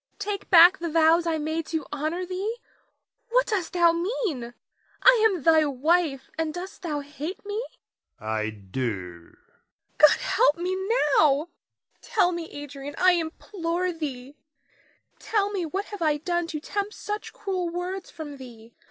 Take back the vows I made to honor thee; what dost thou mean? I am thy wife and dost thou hate me? Adrian. I do. Nina. God help me now. Tell me, Adrian, I implore thee, tell me what have I done to tempt such cruel words from thee?